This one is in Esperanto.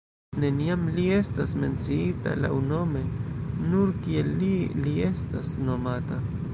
Neniam li estas menciita laŭnome, nur kiel “Li” li estas nomata.